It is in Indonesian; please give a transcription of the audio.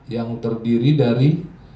yang terdiri dari